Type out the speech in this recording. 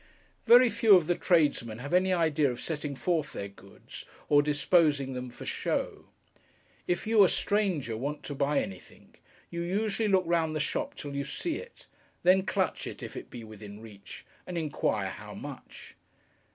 Very few of the tradesmen have any idea of setting forth their goods, or disposing them for show. If you, a stranger, want to buy anything, you usually look round the shop till you see it; then clutch it, if it be within reach, and inquire how much.